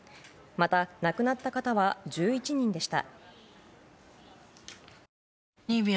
また、亡くなった方は１１人でした。